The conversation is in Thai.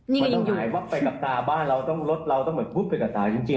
มันต้องหายวับไปกับตาบ้านเราต้องรถเราต้องเหมือนพุทธไปกับตาจริง